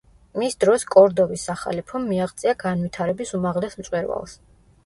მის დროს კორდოვის სახალიფომ მიაღწია განვითარების უმაღლეს მწვერვალს.